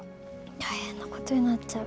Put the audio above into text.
大変なことになっちゃう。